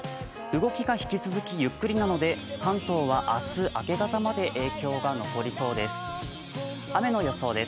動きが引き続きゆっくりなので、関東は明日、明け方まで影響が残りそうです。